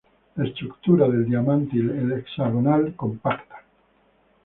La estructura del diamante y la hexagonal compacta.